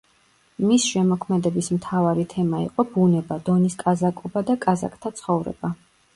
მის შემოქმედების მთავარი თემა იყო ბუნება, დონის კაზაკობა და კაზაკთა ცხოვრება.